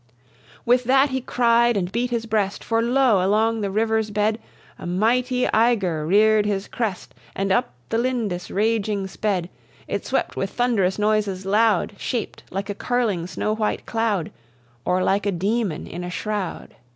With that he cried and beat his breast; For, lo! along the river's bed A mighty eygre rear'd his crest, And uppe the Lindis raging sped. It swept with thunderous noises loud; Shap'd like a curling snow white cloud, Or like a demon in a shroud.